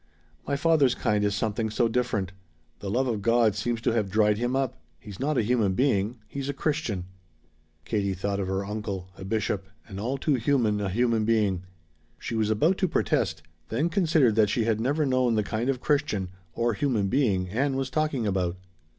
"My father's kind is something so different. The love of God seems to have dried him up. He's not a human being. He's a Christian." Katie thought of her uncle a bishop, and all too human a human being. She was about to protest, then considered that she had never known the kind of Christian or human being Ann was talking about.